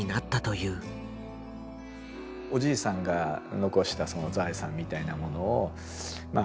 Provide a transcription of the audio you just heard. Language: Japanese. おじいさんが残したその財産みたいなものをまあ